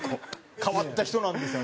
変わった人なんですよ